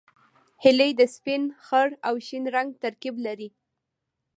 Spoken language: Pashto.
هیلۍ د سپین، خړ او شین رنګ ترکیب لري